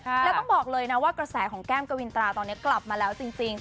แล้วต้องบอกเลยนะว่ากระแสของแก้มกวินตราตอนนี้กลับมาแล้วจริง